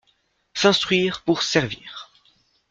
S'instruire pour servir